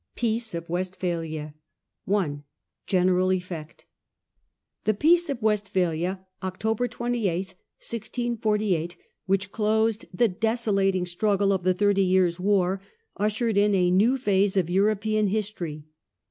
PEACE OF WESTPHALIA. I. General Effect. The Peace of Westphalia (Oct. 28, 1648), which closed the desolating struggle of the Thirty Years* War, ushered in a new phase of European history.